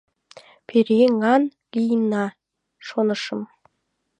Пӧръеҥан лийына, шонышым...